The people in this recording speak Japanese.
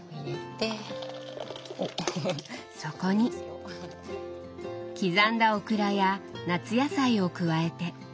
そこに刻んだオクラや夏野菜を加えて。